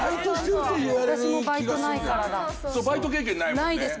バイト経験ないです。